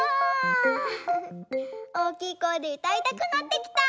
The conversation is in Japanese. おおきいこえでうたいたくなってきた。